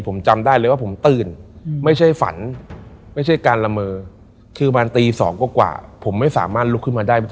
ผมจำได้เลยว่าผมตื่นไม่ใช่ฝันไม่ใช่การละเมอคือมาตี๒กว่าผมไม่สามารถลุกขึ้นมาได้